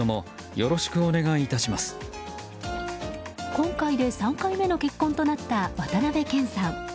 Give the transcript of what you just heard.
今回で３回目の結婚となった渡辺謙さん。